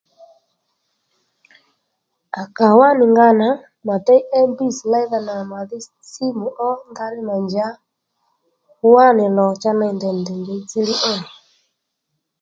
À kà wá nì nga nà mà déy mbs léydha nà màdhí simu ó ndaní mà njǎ wá nì lò cha ney ndèy nì ndèy njěy dziylíy ó nì